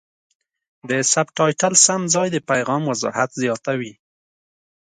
د سبټایټل سم ځای د پیغام وضاحت زیاتوي.